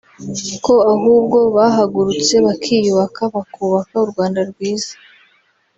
ko ahubwo bahagurutse bakiyubaka bakubaka u Rwanda rwiza